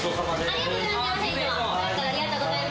ありがとうございます、いつも。